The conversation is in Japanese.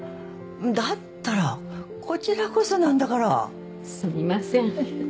だったらこちらこそなんだからすみません